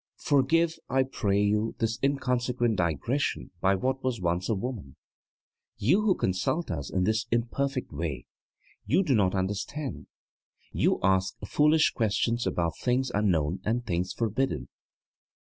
Forgive, I pray you, this inconsequent digression by what was once a woman. You who consult us in this imperfect way you do not understand. You ask foolish questions about things unknown and things forbidden.